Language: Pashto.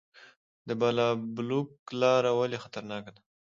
بالابلوک لاره ولې خطرناکه ده؟